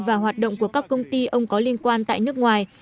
và hoạt động của các công ty ông có liên quan tại nước ngoài